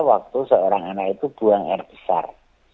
waktu seorang anak itu buang air besar